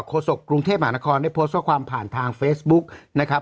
โศกกรุงเทพมหานครได้โพสต์ข้อความผ่านทางเฟซบุ๊กนะครับ